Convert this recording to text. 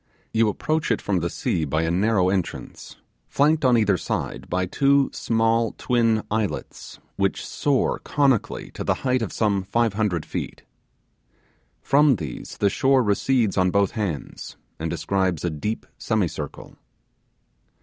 You approach it from the sea by a narrow entrance, flanked on each side by two small twin islets which soar conically to the height of some five hundred feet. From these the shore recedes on both hands, and describes a deep semicircle.